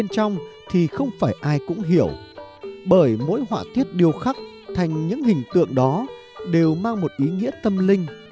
chúng ta sẽ không thể nhìn thấy những hình tượng đó đều mang một ý nghĩa tâm linh